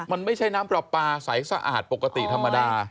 มันไม่ใช่น้ำปลาปลาใสสะอาดปกติธรรมดา